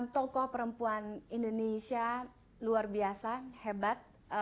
tokoh perempuan indonesia luar biasa hebat